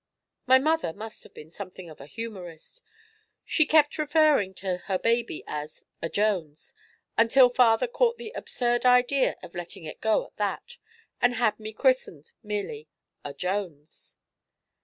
My mother must have been something of a humorist. She kept referring to her baby as 'a Jones' until father caught the absurd idea of letting it go at that, and had me christened merely 'A. Jones.'"